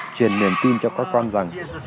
truyền niềm tin cho các con rằng